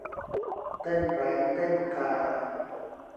เต้นแร้งเต้นกา